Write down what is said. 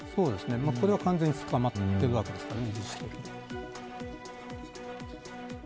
これは完全に捕まっているわけですからね。